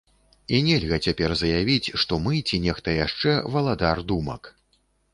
І нельга цяпер заявіць, што мы ці нехта яшчэ валадар думак.